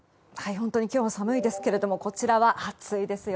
本当に今日は寒いですがこちらは熱いですよ！